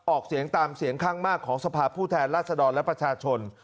ออกเสียงตามเสียงข้างมากของสภาพผู้แทนราชดรและประชาชน